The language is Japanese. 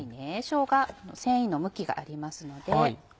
しょうが繊維の向きがありますので。